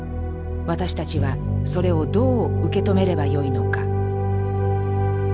私たちはそれをどう受け止めればよいのか。